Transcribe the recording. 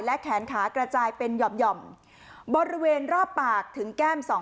และแขนขากระจายเป็นหย่อมบริเวณรอบปากถึงแก้มสอง